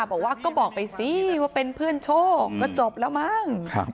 บอกว่าก็บอกไปสิว่าเป็นเพื่อนโชคก็จบแล้วมั้ง